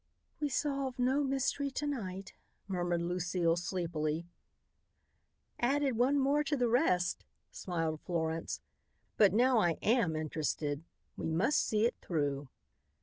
"We solved no mystery to night," murmured Lucile sleepily. "Added one more to the rest," smiled Florence. "But now I am interested. We must see it through."